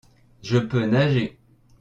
Je peux nager.